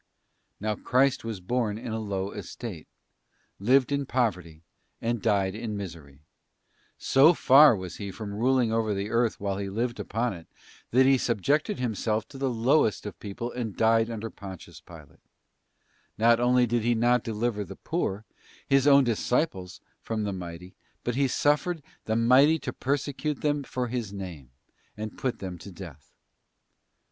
Now Christ was born in a low estate, lived in poverty, and died in misery: so far was He from ruling over the earth while He lived upon it, that He subjected Himself to the lowest of the people and died under Pontius Pilate. Not only did He not deliver the poor, His own disciples, from the mighty, but He suffered the mighty to persecute them for His name, and to put them to death.